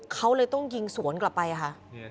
เขาเลยต้องยิงสวนกลับไปค่ะ